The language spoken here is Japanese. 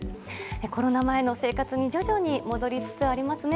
コロナ前の生活に徐々に戻りつつありますね。